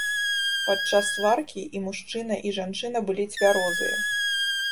Падчас сваркі і мужчына, і жанчына былі цвярозыя.